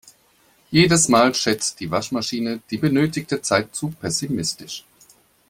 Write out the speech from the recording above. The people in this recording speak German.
Jedes Mal schätzt die Waschmaschine die benötigte Zeit zu pessimistisch.